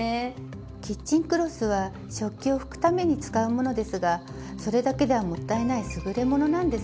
キッチンクロスは食器を拭くために使うものですがそれだけではもったいないすぐれものなんですよ。